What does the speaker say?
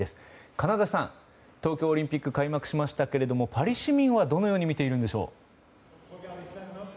金指さん東京オリンピック開幕しましたがパリ市民はどのように見ているんでしょう。